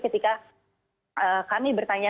ketika kami bertanya